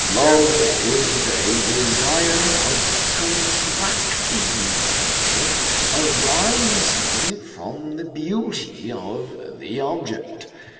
["Love is a desire of contracting friendship arising from the beauty of the object."